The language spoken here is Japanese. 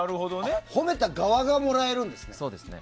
褒めた側がもらえるんですね。